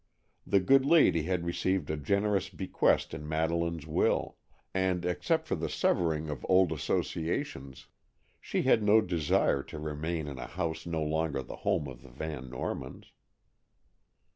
The good lady had received a generous bequest in Madeleine's will, and, except for the severing of old associations, she had no desire to remain in a house no longer the home of the Van Normans.